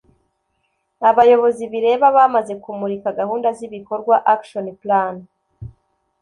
abayobozi bireba bamaze kumurika gahunda z’ibikorwa (action plan)